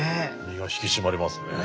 身が引き締まりますね。